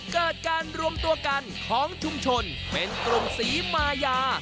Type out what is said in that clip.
เกิดการรวมตัวกันของชุมชนเป็นกลุ่มศรีมายา